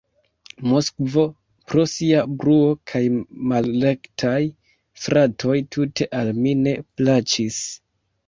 Moskvo pro sia bruo kaj malrektaj stratoj tute al mi ne plaĉis.